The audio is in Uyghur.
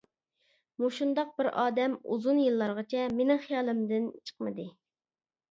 مۇشۇنداق بىر ئادەم ئۇزۇن يىللارغىچە مېنىڭ خىيالىمدىن چىقمىدى.